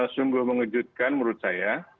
sungguh mengejutkan menurut saya